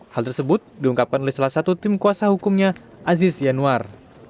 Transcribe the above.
hal tersebut diungkapkan oleh salah satu tim kuasa hukumnya aziz yanuar